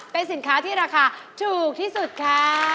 เป็นสินค้าที่ราคาถูกที่สุดค่ะ